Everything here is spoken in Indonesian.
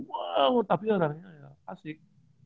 wah tapi orangnya asik